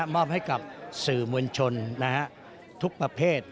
มอบให้กับสื่อมวลชนทุกประเภท